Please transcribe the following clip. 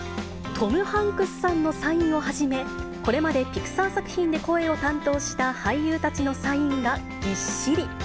トム・ハンクスさんのサインをはじめ、これまでピクサー作品で声を担当した俳優たちのサインがぎっしり。